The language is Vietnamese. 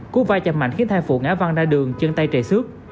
cú va chạm mạnh khiến thai phụ ngã văn ra đường chân tay trề xước